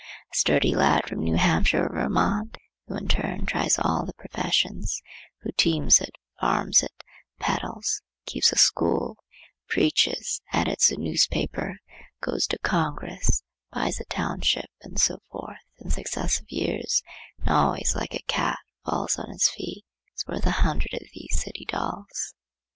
A sturdy lad from New Hampshire or Vermont, who in turn tries all the professions, who teams it, farms it, peddles, keeps a school, preaches, edits a newspaper, goes to Congress, buys a township, and so forth, in successive years, and always like a cat falls on his feet, is worth a hundred of these city dolls.